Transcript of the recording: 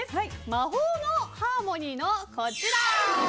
魔法のハーモニーのこちら。